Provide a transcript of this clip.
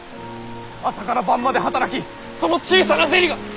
朝から晩まで働きその小さな銭が。